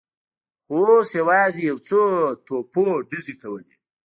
خو اوس یوازې یو څو توپونو ډزې کولې.